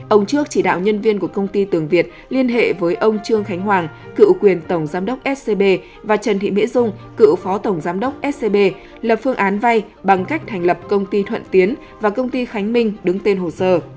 ông trước chỉ đạo nhân viên của công ty tường việt liên hệ với ông trương khánh hoàng cựu quyền tổng giám đốc scb và trần thị mỹ dung cựu phó tổng giám đốc scb lập phương án vay bằng cách thành lập công ty thuận tiến và công ty khánh minh đứng tên hồ sơ